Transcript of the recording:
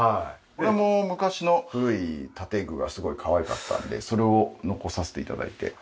これも昔の古い建具がすごいかわいかったのでそれを残させて頂いて。